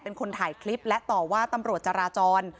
เป็นคนถ่ายคลิปและต่อว่าตำรวจจราจร